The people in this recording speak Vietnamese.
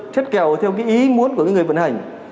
chất kèo theo ý muốn của người vận hành